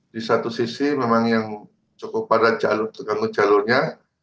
di satu sisi memang yang cukup padat terganggu jalurnya